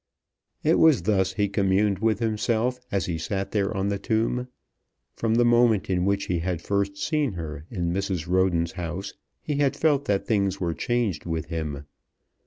It was thus he communed with himself as he sat there on the tomb. From the moment in which he had first seen her in Mrs. Roden's house he had felt that things were changed with him.